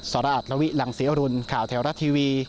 สราอัตรวิหลังเสียรุนข่าวเทราะท์ทีวี